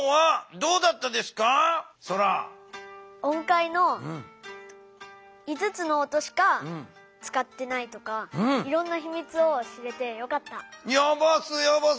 音階の５つの音しかつかってないとかいろんなひみつを知れてよかった。